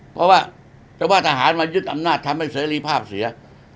เพราะว่าจะว่าทหารมายึดอำนาจทำให้เสรีภาพเสีย